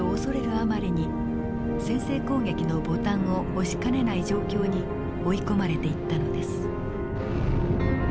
あまりに先制攻撃のボタンを押しかねない状況に追い込まれていったのです。